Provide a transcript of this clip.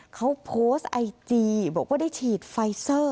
เขาโพสต์ไอจีบอกว่าได้ฉีดไฟเซอร์